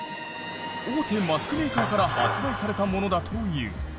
大手マスクメーカーから発売されたものだという。